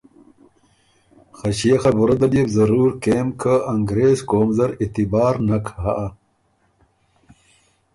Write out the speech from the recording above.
خه ݭيې خبُره دل يې بُو ضرور کېم که انګرېز قوم زر اعتبار نک هۀ۔